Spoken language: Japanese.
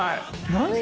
何？